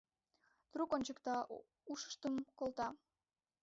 Трук ончыкта, ушыштым колта.